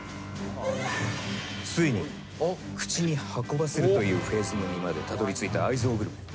ついに口に運ばせるというフェーズにまでたどりついた愛憎グルメ。